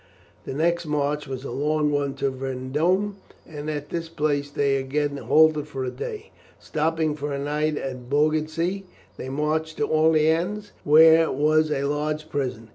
The next march was a long one to Vendôme, and at this place they again halted for a day. Stopping for a night at Beaugency, they marched to Orleans, where was a large prison.